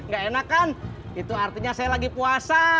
gak enak kan itu artinya saya lagi puasa